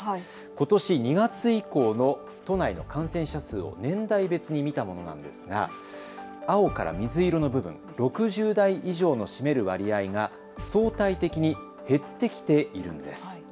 ことし２月以降の都内の感染者数を年代別に見たものなんですが青から水色の部分、６０代以上の占める割合が相対的に減ってきているんです。